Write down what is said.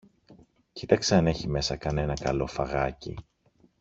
κοίταξε αν έχει μέσα κανένα καλό φαγάκι.